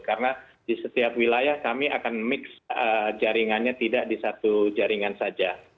karena di setiap wilayah kami akan mix jaringannya tidak di satu jaringan saja